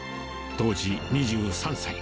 当時、２３歳。